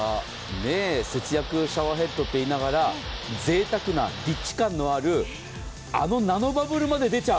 節約シャワーヘッドといいながら、ぜいたくなリッチ感もあるあのナノバブルまで出ちゃう。